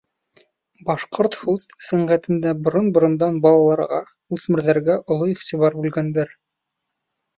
Башҡорт һүҙ сәнғәтендә борон-борондан балаларға, үҫмерҙәргә оло иғтибар бүлгәндәр.